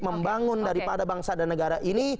membangun daripada bangsa dan negara ini